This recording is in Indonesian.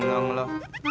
ini urusan penting